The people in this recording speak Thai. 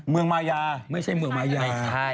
เมืองมายาไม่ใช่เมืองมายา